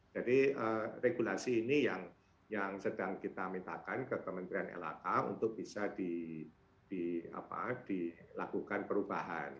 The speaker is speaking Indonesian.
jadi regulasi ini yang sedang kita mintakan ke kementerian lhk untuk bisa dilakukan perubahan